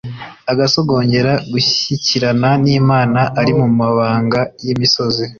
agasogongera gushyikirana n'Imana ari mu mabanga y'imisozi